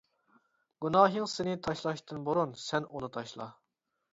گۇناھىڭ سېنى تاشلاشتىن بۇرۇن سەن ئۈنى تاشلا.